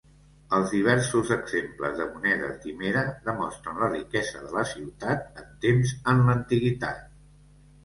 Els diversos exemples de monedes d'Himera demostren la riquesa de la ciutat en temps en l'antiguitat.